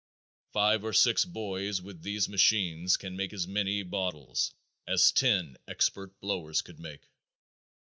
Five or six boys with these machines can make as many bottles as ten expert blowers could make.